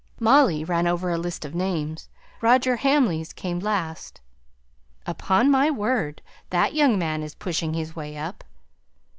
Molly ran over a list of names. Roger Hamley's came last. "Upon my word! That young man is pushing his way up!"